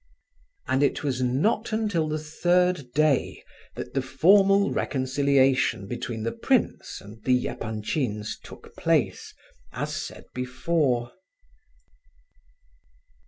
And it was not until the third day that the formal reconciliation between the prince and the Epanchins took place, as said before.